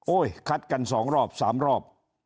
โอ้ยคัดกัน๒รอบ๓รอบ